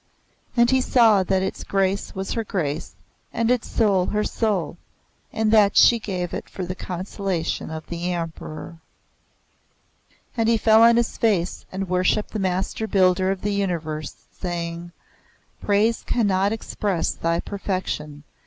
And he saw that its grace was her grace, and its soul her soul, and that she gave it for the consolation of the Emperor. And he fell on his face and worshipped the Master Builder of the Universe, saying, "Praise cannot express thy Perfection.